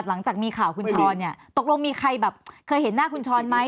หลังจากมีข่าวคุณช้อนเนี่ยตกลงมีใครแบบเคยเห็นหน้าคุณช้อนไหม